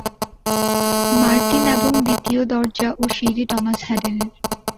Martin এবং দ্বিতীয় দরজা ও সিঁড়ি টমাস হ্যাডেনের।